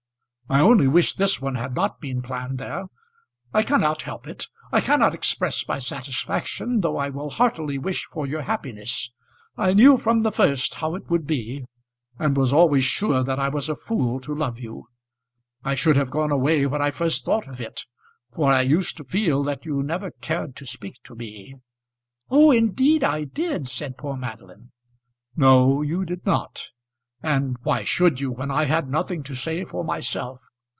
I only wish this one had not been planned there. I cannot help it, I cannot express my satisfaction, though I will heartily wish for your happiness. I knew from the first how it would be, and was always sure that I was a fool to love you. I should have gone away when I first thought of it, for I used to feel that you never cared to speak to me." "Oh, indeed I did," said poor Madeline. "No, you did not. And why should you when I had nothing to say for myself?